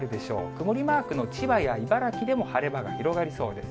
曇りマークの千葉や茨城でも晴れ間が広がりそうです。